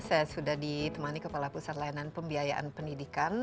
saya sudah ditemani kepala pusat layanan pembiayaan pendidikan